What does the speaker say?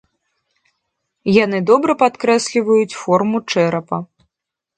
Яны добра падкрэсліваюць форму чэрапа.